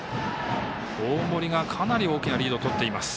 大森が、かなり大きなリードをとっています。